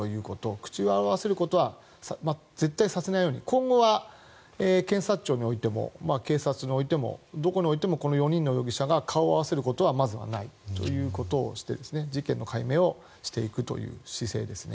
口裏を合わせることは絶対にさせないように今後は警察庁においても警察においても、どこにおいてもこの４人の容疑者が顔を合わせることはまずないということをして事件の解明をしていくという姿勢ですね。